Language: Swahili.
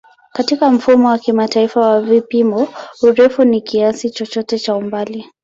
Katika Mfumo wa Kimataifa wa Vipimo, urefu ni kiasi chochote cha umbali.